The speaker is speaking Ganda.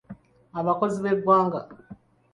Abakozi b'eggwanga.